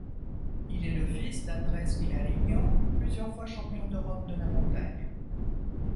Il est le fils d'Andres Vilariño plusieurs fois Champion d'Europe de la montagne.